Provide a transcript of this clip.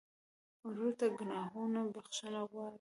ورور ته د ګناهونو بخښنه غواړې.